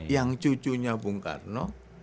yang cucunya bung karno